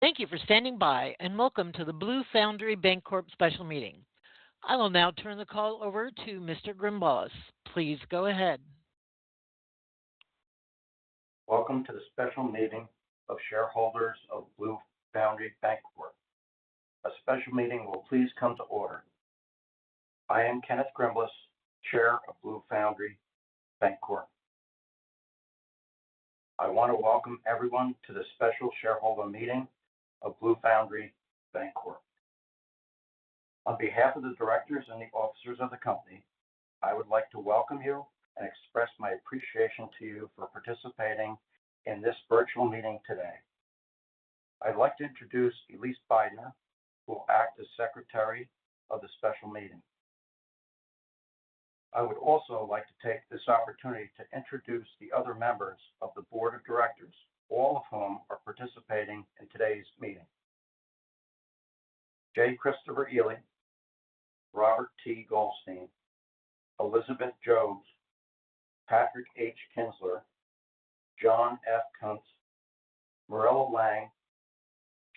Thank you for standing by, and welcome to the Blue Foundry Bancorp special meeting. I will now turn the call over to Mr. Grimbilas. Please go ahead. Welcome to the special meeting of shareholders of Blue Foundry Bancorp. A special meeting will please come to order. I am Kenneth Grimbilas, Chair of Blue Foundry Bancorp. I want to welcome everyone to this special shareholder meeting of Blue Foundry Bancorp. On behalf of the directors and the officers of the company, I would like to welcome you and express my appreciation to you for participating in this virtual meeting today. I'd like to introduce Elyse Beidner, who will act as Secretary of the special meeting. I would also like to take this opportunity to introduce the other members of the board of directors, all of whom are participating in today's meeting: J. Christopher Ely, Robert T. Goldstein, Elizabeth Jobes, Patrick H. Kinzler, John F. Kuntz, Mirella Lang,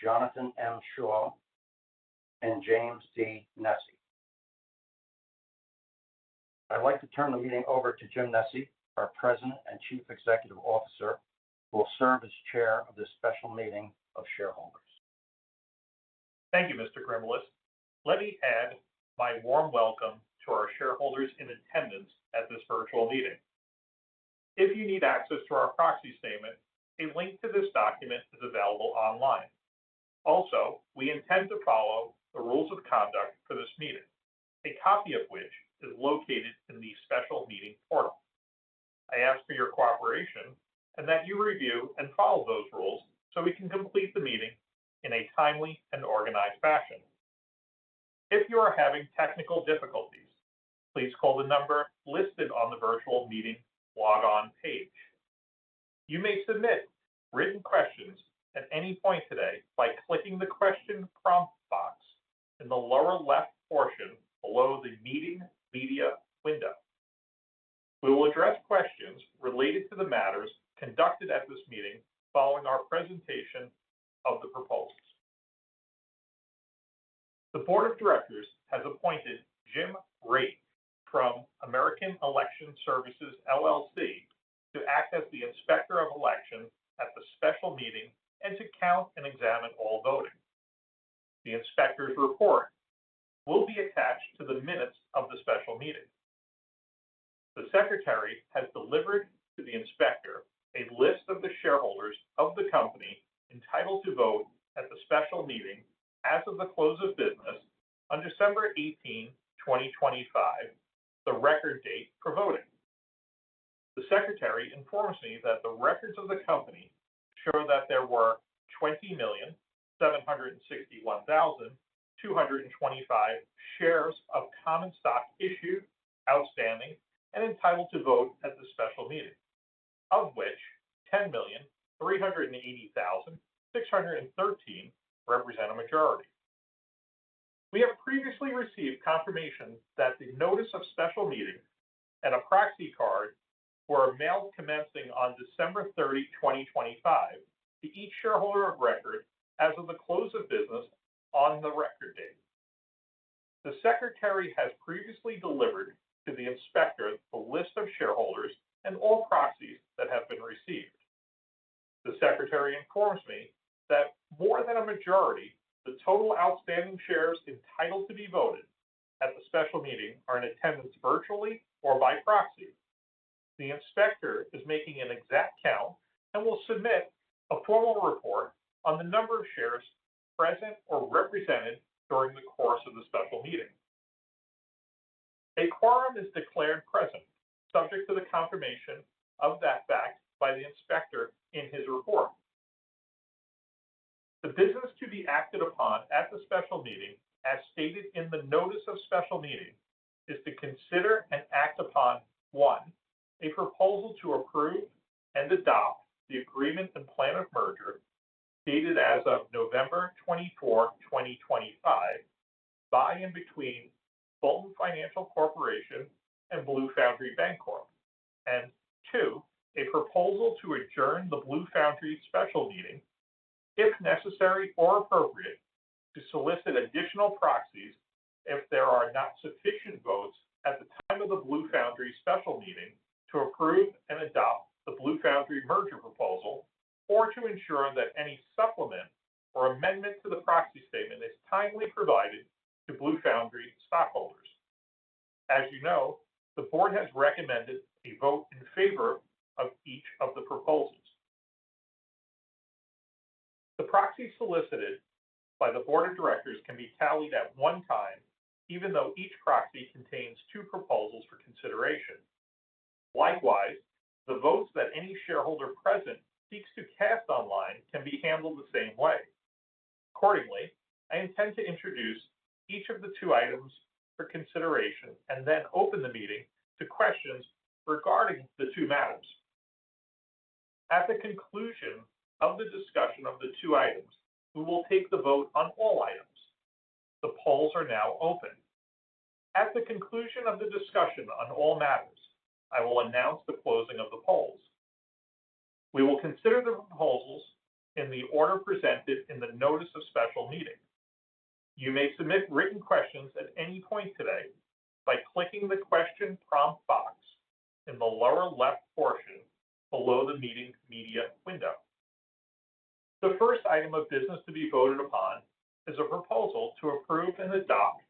Jonathan M. Shaw, and James D. Nesci. I'd like to turn the meeting over to Jim Nesci, our President and Chief Executive Officer, who will serve as Chair of this special meeting of shareholders. Thank you, Mr. Grimbilas. Let me add my warm welcome to our shareholders in attendance at this virtual meeting. If you need access to our proxy statement, a link to this document is available online. Also, we intend to follow the rules of conduct for this meeting, a copy of which is located in the special meeting portal. I ask for your cooperation and that you review and follow those rules so we can complete the meeting in a timely and organized fashion. If you are having technical difficulties, please call the number listed on the virtual meeting log-on page. You may submit written questions at any point today by clicking the question prompt box in the lower left portion below the meeting media window. We will address questions related to the matters conducted at this meeting following our presentation of the proposals. The board of directors has appointed Jim Raitt from American Election Services, LLC, to act as the Inspector of Election at the special meeting and to count and examine all voting. The inspector's report will be attached to the minutes of the special meeting. The Secretary has delivered to the inspector a list of the shareholders of the company entitled to vote at the special meeting as of the close of business on December 18th, 2025, the record date for voting. The Secretary informs me that the records of the company show that there were 20,761,225 shares of common stock issued, outstanding, and entitled to vote at the special meeting, of which 10,380,613 represent a majority. We have previously received confirmation that the notice of special meeting and a proxy card were mailed commencing on December 30, 2025, to each shareholder of record as of the close of business on the record date. The Secretary has previously delivered to the inspector a list of shareholders and all proxies that have been received. The Secretary informs me that more than a majority, the total outstanding shares entitled to be voted at the special meeting, are in attendance virtually or by proxy. The inspector is making an exact count and will submit a formal report on the number of shares present or represented during the course of the special meeting. A quorum is declared present, subject to the confirmation of that fact by the inspector in his report. The business to be acted upon at the special meeting, as stated in the notice of special meeting, is to consider and act upon: one, a proposal to approve and adopt the Agreement and Plan of Merger, dated as of November 24, 2025, by and between Fulton Financial Corporation and Blue Foundry Bancorp. Two, a proposal to adjourn the Blue Foundry special meeting, if necessary or appropriate, to solicit additional proxies if there are not sufficient votes at the time of the Blue Foundry special meeting to approve and adopt the Blue Foundry merger proposal, or to ensure that any supplement or amendment to the Proxy Statement is timely provided to Blue Foundry stockholders. As you know, the board has recommended a vote in favor of each of the proposals. The proxy solicited by the board of directors can be tallied at one time, even though each proxy contains two proposals for consideration. Likewise, the votes that any shareholder present seeks to cast online can be handled the same way. Accordingly, I intend to introduce each of the two items for consideration and then open the meeting to questions regarding the two matters. At the conclusion of the discussion of the two items, we will take the vote on all items. The polls are now open. At the conclusion of the discussion on all matters, I will announce the closing of the polls. We will consider the proposals in the order presented in the notice of special meeting. You may submit written questions at any point today by clicking the question prompt box in the lower left portion below the meeting media window. The first item of business to be voted upon is a proposal to approve and adopt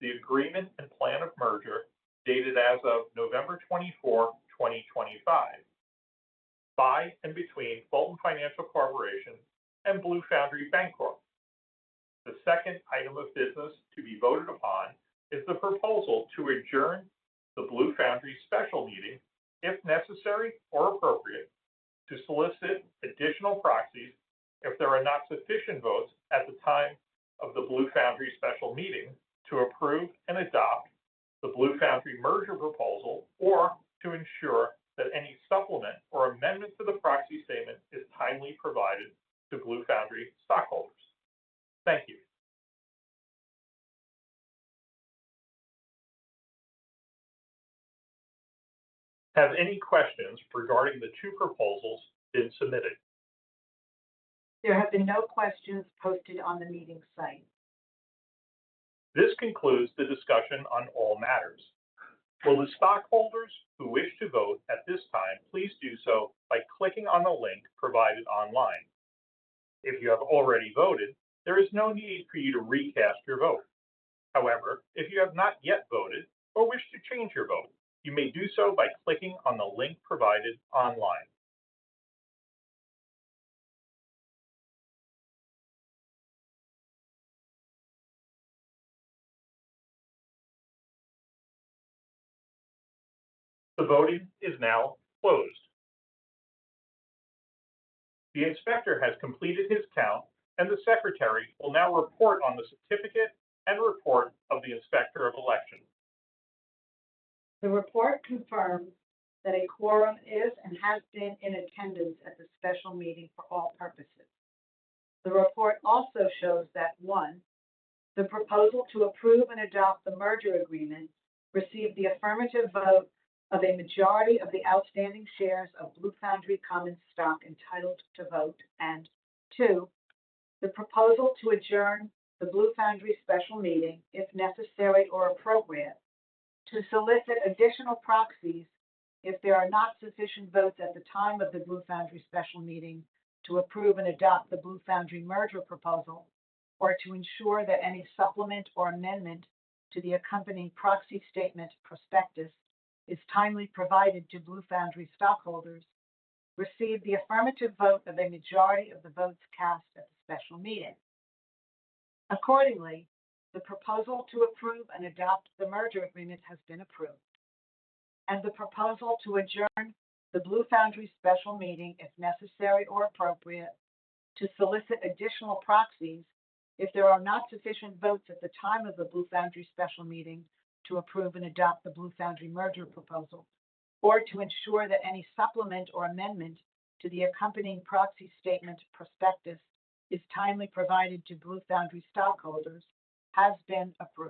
the Agreement and Plan of Merger, dated as of November 24, 2025, by and between Fulton Financial Corporation and Blue Foundry Bancorp. The second item of business to be voted upon is the proposal to adjourn the Blue Foundry special meeting, if necessary or appropriate, to solicit additional proxies if there are not sufficient votes at the time of the Blue Foundry special meeting to approve and adopt the Blue Foundry merger proposal, or to ensure that any supplement or amendment to the proxy statement is timely provided to Blue Foundry stockholders. Thank you. Have any questions regarding the two proposals been submitted? There have been no questions posted on the meeting site. This concludes the discussion on all matters. Will the stockholders who wish to vote at this time, please do so by clicking on the link provided online. If you have already voted, there is no need for you to recast your vote. However, if you have not yet voted or wish to change your vote, you may do so by clicking on the link provided online. The voting is now closed. The Inspector has completed his count, and the secretary will now report on the certificate and report of the Inspector of Election. The report confirms that a quorum is and has been in attendance at the special meeting for all purposes. The report also shows that, 1, the proposal to approve and adopt the merger agreement received the affirmative vote of a majority of the outstanding shares of Blue Foundry common stock entitled to vote, and 2, the proposal to adjourn the Blue Foundry special meeting, if necessary or appropriate, to solicit additional proxies if there are not sufficient votes at the time of the Blue Foundry special meeting to approve and adopt the Blue Foundry merger proposal, or to ensure that any supplement or amendment to the accompanying proxy statement prospectus is timely provided to Blue Foundry stockholders, received the affirmative vote of a majority of the votes cast at the special meeting. Accordingly, the proposal to approve and adopt the merger agreement has been approved, and the proposal to adjourn the Blue Foundry special meeting, if necessary or appropriate, to solicit additional proxies if there are not sufficient votes at the time of the Blue Foundry special meeting to approve and adopt the Blue Foundry merger proposal, or to ensure that any supplement or amendment to the accompanying proxy statement prospectus is timely provided to Blue Foundry stockholders, has been approved.